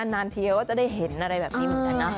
นานทีเราก็จะได้เห็นอะไรแบบนี้เหมือนกันนะ